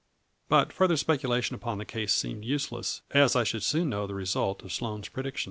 But further speculation upon the case seemed useless, as I should soon know the result of Sloane's predictions.